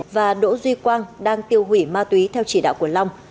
và đỗ duy quang đang tiêu hủy ma túy theo chỉ đạo của long